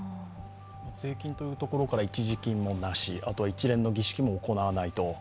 税金というところから一時金もなし一連の儀式も行わないと。